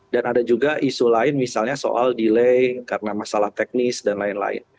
dan ada juga isu lain misalnya soal delay karena masalah teknis dan lain lain